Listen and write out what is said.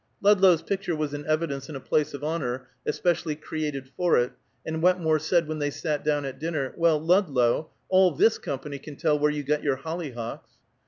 Ludlow's picture was in evidence in a place of honor, especially created for it, and Wetmore said, when they sat down at dinner, "Well, Ludlow, all this company can tell where you got your hollyhocks."